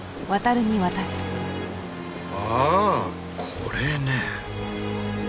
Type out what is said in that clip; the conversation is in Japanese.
ああこれね。